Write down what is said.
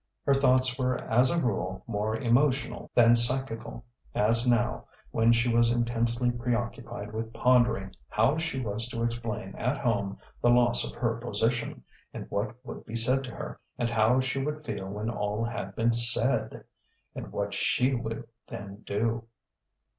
Her thoughts were as a rule more emotional than psychical: as now, when she was intensely preoccupied with pondering how she was to explain at home the loss of her position, and what would be said to her, and how she would feel when all had been said ... and what she would then do....